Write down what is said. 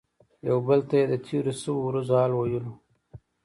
یو بل ته یې د تیرو شویو ورځو حال ویلو.